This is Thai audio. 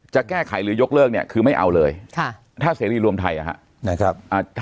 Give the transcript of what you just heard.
จะแก้ไขหรือยกเลิกเนี่ยคือไม่เอาเลยถ้าเสรีรวมไทยนะครับ